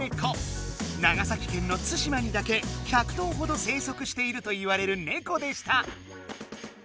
長崎県の対馬にだけ１００頭ほど生息しているといわれるねこでした！